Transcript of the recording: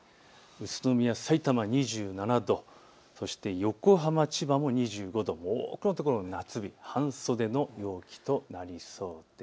宇都宮、さいたま２７度、そして横浜、千葉も２５度、多くの所、夏日、半袖の陽気となりそうです。